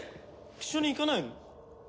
一緒に行かないの？